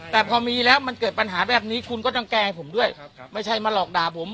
แต่พอมีแล้วมันเกิดปัญหาแบบนี้คุณก็ต้องแก้ให้ผมด้วย